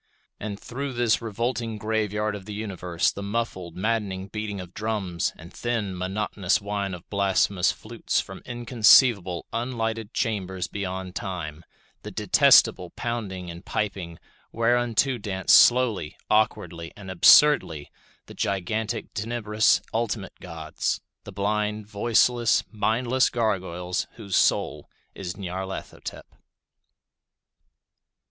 And through this revolting graveyard of the universe the muffled, maddening beating of drums, and thin, monotonous whine of blasphemous flutes from inconceivable, unlighted chambers beyond Time; the detestable pounding and piping whereunto dance slowly, awkwardly, and absurdly the gigantic, tenebrous ultimate gods—the blind, voiceless, mindless gargoyles whose soul is Nyarlathotep.